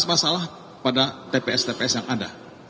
masalah pada tps tps yang ada